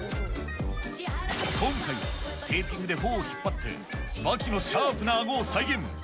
今回はテーピングで頬を引っ張って、刃牙のシャープなあごを再現。